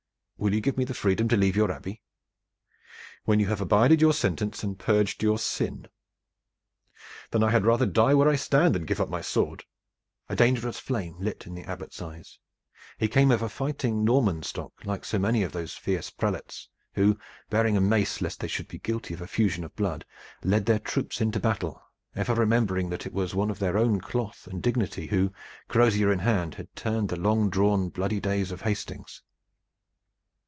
"Will you give me freedom to leave your Abbey?" "When you have abided your sentence and purged your sin." "Then I had rather die where I stand than give up my sword." A dangerous flame lit in the Abbot's eyes. He came of a fighting Norman stock, like so many of those fierce prelates who, bearing a mace lest they should be guilty of effusion of blood, led their troops into battle, ever remembering that it was one of their own cloth and dignity who, crosier in hand, had turned the long drawn bloody day of Hastings.